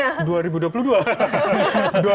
tidak ada tahun barunya